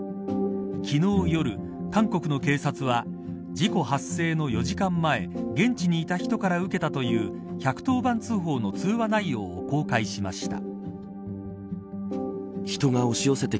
昨日夜、韓国の警察は事故発生の４時間前現地にいた人から受けたという１１０番通報の通話内容を公開しました。